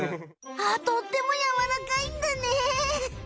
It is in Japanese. あとってもやわらかいんだね。